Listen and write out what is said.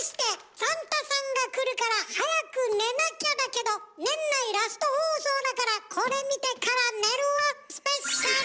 「サンタさんが来るから早く寝なきゃだけど年内ラスト放送だからこれ見てから寝るわスペシャル」！